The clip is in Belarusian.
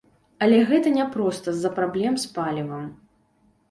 Але гэта няпроста з-за праблем з палівам.